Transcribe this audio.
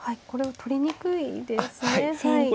これは取りにくいですね。